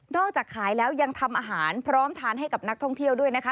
จากขายแล้วยังทำอาหารพร้อมทานให้กับนักท่องเที่ยวด้วยนะคะ